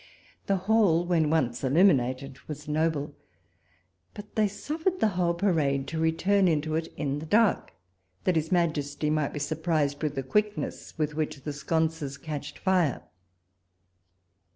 The Hall, when once illuminated, was noble ; but they suffered the whole parade to return into it in the dark, that his Majesty might be surprised with the quickness with which the sconces catched fire.